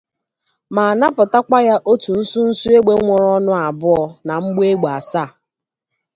ma napụtakwa ya otu nsụnsụ égbè nwere ọnụ abụọ na mgbọ egbe asaa.